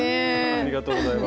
ありがとうございます。